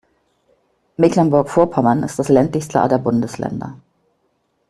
Mecklenburg-Vorpommern ist das ländlichste aller Bundesländer.